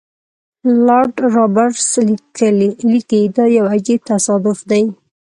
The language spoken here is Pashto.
لارډ رابرټس لیکي دا یو عجیب تصادف دی.